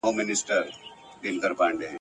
نارينه له خپلي ماينې پرته